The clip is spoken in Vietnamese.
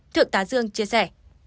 thượng tá dương chia sẻ